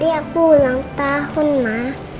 iya aku ulang tahun ma